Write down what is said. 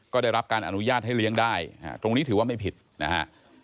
ก็ได้รับการอนุญาตให้เลี้ยงได้ตรงนี้ถือว่าไม่ผิดนะฮะ